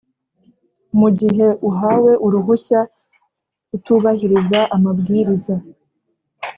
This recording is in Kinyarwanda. mu gihe uwahawe uruhushya atubahiriza amabwiriza